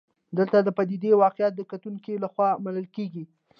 دلته د پدیدې واقعیت د کتونکو لخوا منل کېږي.